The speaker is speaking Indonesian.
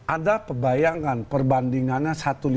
ada perbayangan perbandingannya satu ratus lima puluh